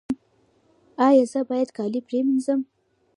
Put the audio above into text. ایا زه باید کالي پریمنځم؟